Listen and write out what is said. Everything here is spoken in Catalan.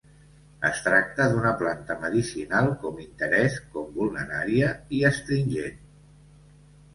Es tracta d'una planta medicinal com interès com vulnerària i astringent.